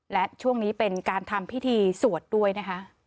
และช่วงนี้เป็นการทำพิธีสวดด้วยนะคะ